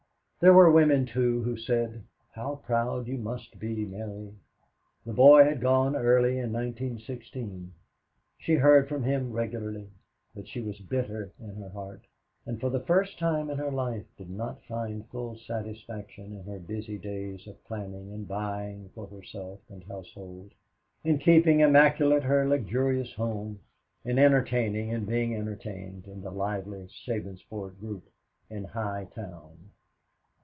There were women, too, who said, "How proud you must be, Mary." The boy had gone early in 1916. She heard from him regularly, but she was bitter in her heart, and for the first time in her life did not find full satisfaction in her busy days of planning and buying for herself and household, in keeping immaculate her luxurious home, in entertaining and being entertained in the lively Sabinsport group in High Town.